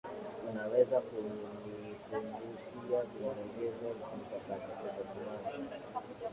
Unaweza kunikumbushia, vinginevyo nitasahau.